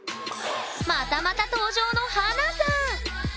またまた登場の華さん！